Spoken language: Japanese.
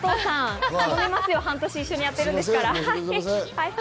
頼みますよ、半年一緒にやってるんですから。